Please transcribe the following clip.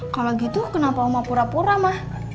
kalau gitu kenapa mau pura pura mah